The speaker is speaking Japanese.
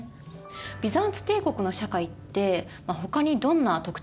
ビザンツ帝国の社会ってほかにどんな特徴があるんですか？